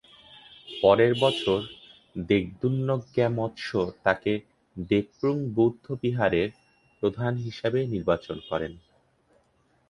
পরের বছর দ্গে-'দুন-র্গ্যা-ম্ত্শো তাকে দ্রেপুং বৌদ্ধবিহারের প্রধান হিসাবে নির্বাচন করেন।